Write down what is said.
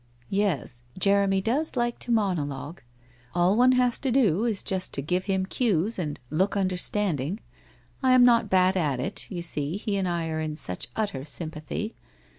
* Yes, Jeremy does so like to monologue. All one has to do is just to give him cues and look understanding. I am not bad at it, you sec he and I are in such utter sympathy.